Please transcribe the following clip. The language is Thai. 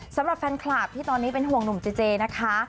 สำหรับแฟนคลับที่ตอนนี้เป็นห่วงหนุ่มเจเจนะคะ